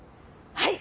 はい！